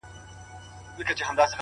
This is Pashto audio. • له آمو تر مست هلمنده مامن زما دی,